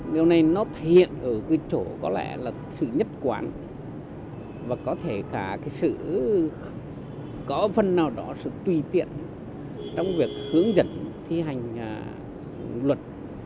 điều này nó thể hiện ở cái chỗ có lẽ là sự nhất quán và có thể cả cái sự có phần nào đó sự tùy tiện trong việc hướng dẫn thi hành luật